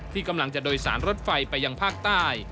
ที่กำลังจะโดยสารรถไฟไปยังภาคใต้